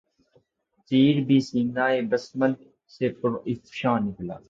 تیر بھی سینہٴ بسمل سے پر افشاں نکلا